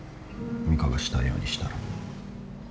ミカがしたいようにしたら。